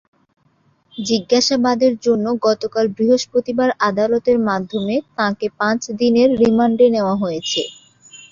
জিজ্ঞাসাবাদের জন্য গতকাল বৃহস্পতিবার আদালতের মাধ্যমে তাঁকে পাঁচ দিনের রিমান্ডে নেওয়া হয়েছে।